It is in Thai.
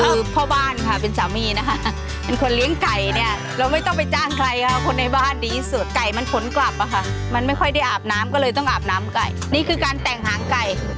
คือพ่อบ้านค่ะเป็นสามีนะคะเป็นคนเลี้ยงไก่เนี่ยเราไม่ต้องไปจ้างใครค่ะคนในบ้านดีที่สุดไก่มันผลกลับอะค่ะมันไม่ค่อยได้อาบน้ำก็เลยต้องอาบน้ำไก่นี่คือการแต่งหางไก่